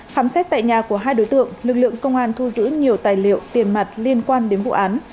khám xét tại nhà của hai đối tượng lực lượng công an thu giữ nhiều tài liệu tiền mặt liên quan đến vụ án